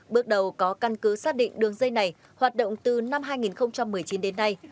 bước đầu có căn cứ xác định đường dây này hoạt động từ năm hai nghìn một mươi chín đến nay